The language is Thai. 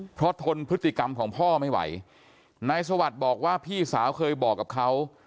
เพราะทนพฤติกรรมของพ่อไม่ไหวนายสวัสดิ์บอกว่าพี่สาวเคยบอกกับเขา